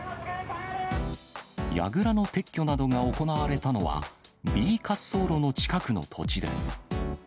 やぐらの撤去などが行われたのは、Ｂ滑走路の近くの土地です。